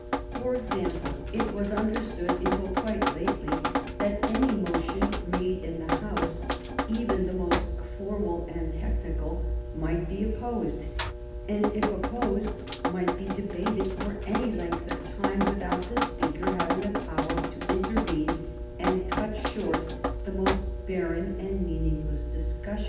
For example, it was understood until quite lately that any motion made in the House, even the most formal and technical, might be opposed, and, if opposed, might be debated for any length of time, without the Speaker having the power to intervene and cut short the most barren and meaningless discussion.